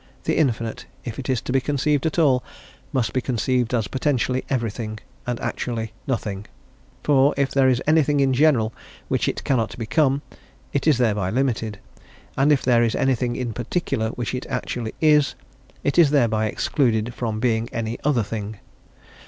The infinite, if it is to be conceived at all, must be conceived as potentially everything and actually nothing; for if there is anything in general which it cannot become, it is thereby limited; and if there is anything in particular which it actually is, it is thereby excluded from being any other thing.